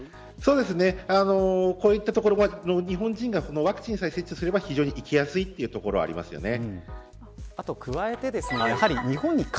こういった所日本人がワクチンさえ接種すれば非常に行きやすいというところがありますよね。